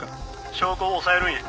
「証拠を押さえるんや」